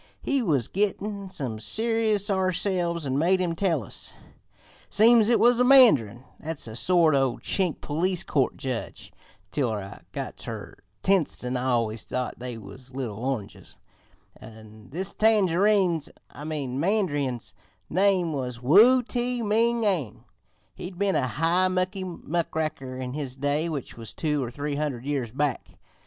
We was gittin' some serious ourselves an' made him tell us. "Seems it was a mandarin that's a sort o' Chink police court judge (till I got ter Tientsin I always thought they was little oranges), an' this tangerine's I mean mandarin's name was Wu Ti Ming, an' he'd been a high mucky muckraker in his day, which was two or three hundred years back.